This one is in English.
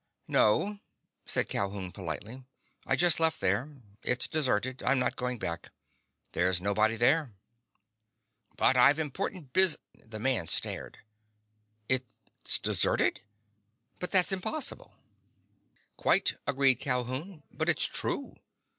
"No," said Calhoun politely. "I just left there. It's deserted. I'm not going back. There's nobody there." "But I've important bus—" The other man stared. "It's deserted? But that's impossible!" "Quite," agreed Calhoun, "but it's true.